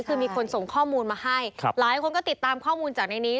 คือมีคนส่งข้อมูลมาให้หลายคนก็ติดตามข้อมูลจากในนี้